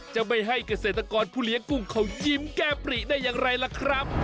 จะไม่ให้เกษตรกรผู้เลี้ยงกุ้งเขายิ้มแก้มปริได้อย่างไรล่ะครับ